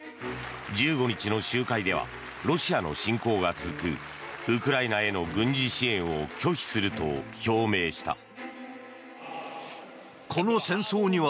１５日の集会ではロシアの侵攻が続くウクライナへの軍事支援を拒否すると表明した。